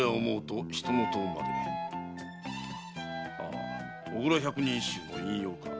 ああ小倉百人一首の引用か。